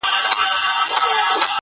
تخت که هر څونه وي لوی نه تقسیمیږي،